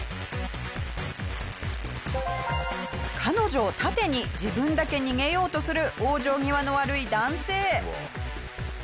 彼女を盾に自分だけ逃げようとする往生際の悪い男性。